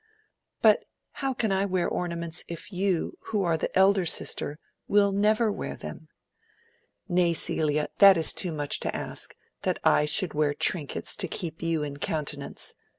"But how can I wear ornaments if you, who are the elder sister, will never wear them?" "Nay, Celia, that is too much to ask, that I should wear trinkets to keep you in countenance.